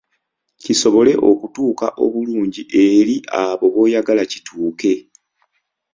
Kisobole okutuuka obulungi eri abo b’oyagala kituuke.